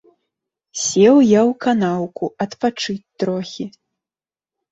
Сеў я ў канаўку адпачыць трохі.